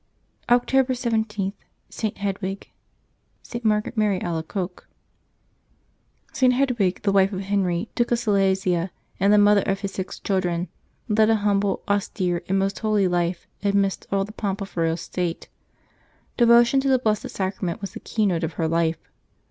October 17.—ST. HEDWIGE.— BLESSED MAR GARET MARY ALACOQUE. [t. Hedwige, the wife of Henry, Duke of Silesia, and the mother of his six children, led a humble, austere, and most holy life amidst all the pomp of royal state. Devotion to the Blessed Sacrament was the key note of her life.